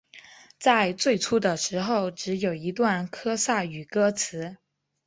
在最初的时候只有一段科萨语歌词。